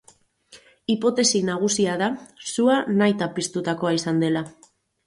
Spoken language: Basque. Hipotesi nagusia da sua nahita piztutakoa izan dela.